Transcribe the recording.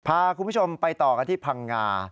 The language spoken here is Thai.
พาคุณผู้ชมไปต่อกันที่พังงา